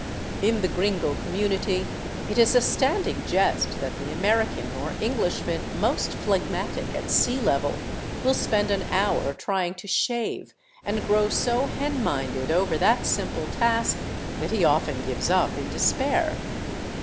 In the gringo community it is a stand ing jest that the American or Englishman most phlegmatic at sea level will spend an hour trying to shave, and grow so hen minded over that simple task that he often gives up in despair.